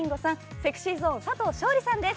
ＳｅｘｙＺｏｎｅ佐藤勝利さんです